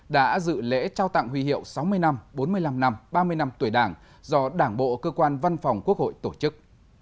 đã dự lễ trao tặng huy hiệu sáu mươi năm bốn mươi năm năm ba mươi năm tuổi đảng do đảng bộ cơ quan văn phòng quốc hội tổ chức